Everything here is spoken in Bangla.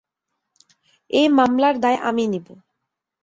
এই মামলার দায় আমি নিব।